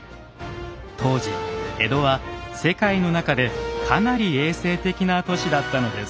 当時江戸は世界の中でかなり衛生的な都市だったのです。